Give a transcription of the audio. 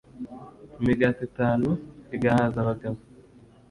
imigati itanu e igahaza abagabo